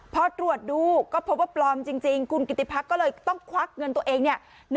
พอตรวจดูก็พบว่าปลอมจริงคุณกิติพักก็เลยต้องควักเงินตัวเองเนี่ย